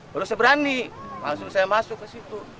baru saya berani langsung saya masuk ke situ